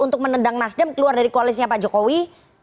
untuk menendang nasdem keluar dari koalisnya pak jokowi